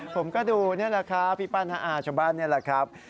ผมก็ดูนี่แหละครับพี่ปั้นน้าอาชาวบ้านนี่แหละครับ